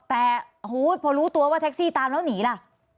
แต่โอ้โหพอรู้ตัวว่าแท็กซี่ตามแล้วหนีล่ะ